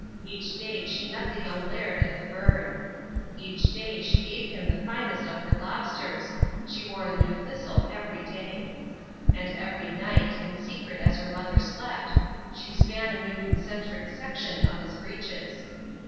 Each day she met the young Laird at the burn. Each day she gave him the finest of her lobsters. She wore a new thistle every day. And every night, in secret as her mother slept, she span a new concentric section of his breeches.